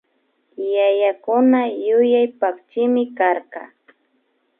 Yayakuna yuyay pakchimi karka